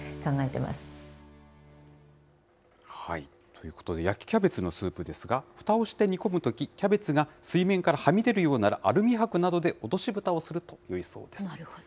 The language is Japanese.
ということで、焼きキャベツのスープですが、ふたをして煮込むとき、キャベツが水面からはみ出るようなら、アルミはくなどで落としぶたをするとよいそうです。